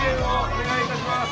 お願いします